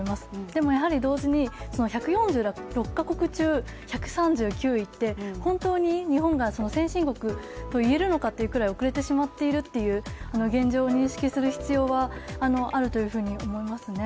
でも、同時に１４６か国中１３９位って本当に日本が、先進国といえるのかというぐらい遅れてしまっているという現状を認識する必要があるのかなと思います。